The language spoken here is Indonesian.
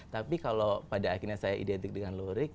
tapi kalau pada akhirnya saya identik dengan lurik